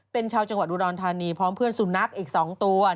เป็นชาวจังหวัดอุดรธานีพร้อมเพื่อนสุนัขอีก๒ตัว